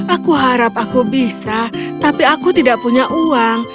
aku harap aku bisa tapi aku tidak punya uang